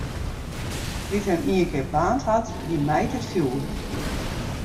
Dy't him ienkear baarnd hat, dy mijt it fjoer.